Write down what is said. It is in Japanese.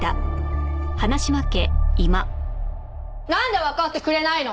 なんでわかってくれないの？